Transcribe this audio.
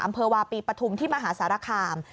อำเภอวาปีปฐุมที่มหาสารคาม